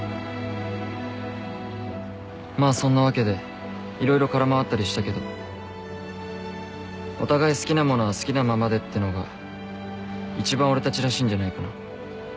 まあそんなわけで色々空回ったりしたけどお互い好きなものは好きなままでってのが一番俺たちらしいんじゃないかな。